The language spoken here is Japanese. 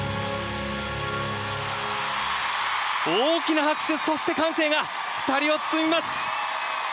大きな拍手、そして歓声が２人を包みます！